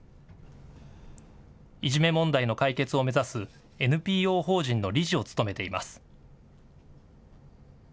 いじめ問題の解決を目指すＮＰＯ法人の理事を務めています。